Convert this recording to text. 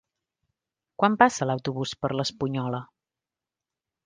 Quan passa l'autobús per l'Espunyola?